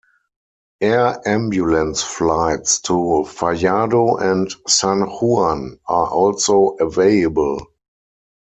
Air ambulance flights to Fajardo and San Juan are also available.